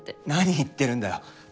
何言ってるんだよ！